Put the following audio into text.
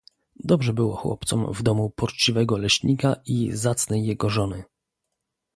"Dobrze było chłopcom w domu poczciwego leśnika i zacnej jego żony."